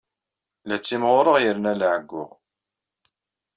La ttimɣureɣ yerna la ɛeyyuɣ.